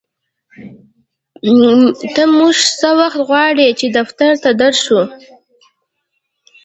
ته مونږ څه وخت غواړې چې دفتر ته در شو